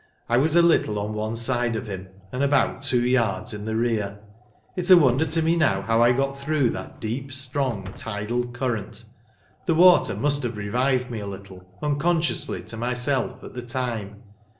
I was a little on one side of him, and about two yards in the rear. It is a wonder to me now, how I got through that deep, strong, tidal current. The water must have revived me a little, unconsciously to myself, at the time.